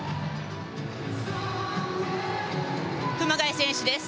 熊谷選手です。